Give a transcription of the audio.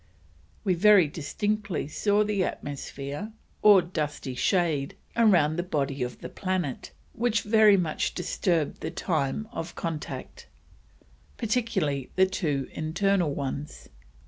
We very distinctly saw the atmosphere or Dusky Shade round the body of the planet, which very much disturbed the time of contact, particularly the two internal ones.